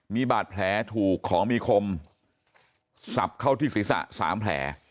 มีบาดแผลถูกของมีคมสับเข้าที่ศีรษะ๓แผล